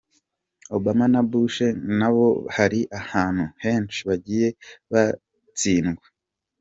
Obama na Bush nabo hari ahantu henshi bagiye batsindwa.